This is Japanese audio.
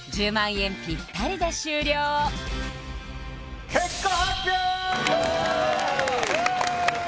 円ぴったりで終了結果発表！